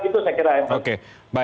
itu saya kira